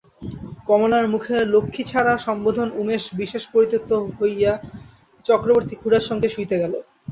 কমলার মুখে লক্ষ্মীছাড়া-সম্বোধনে উমেশ বিশেষ পরিতৃপ্ত হইয়া চক্রবর্তী-খুড়ার সঙ্গে শুইতে গেল।